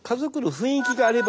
雰囲気があれば。